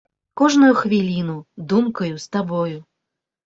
Кожную хвіліну думкаю з табою.